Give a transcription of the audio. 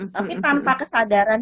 tapi tanpa kesadaran